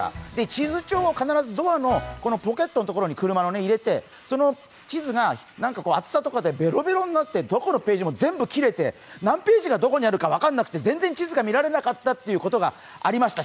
地図帳を必ず車のドアのポケットのところに入れて、その地図がなんか厚さとかでベロベロになってどこのページも全部切れて何ページがどこにあるか分からなくて全然地図が見られなかったということがありました。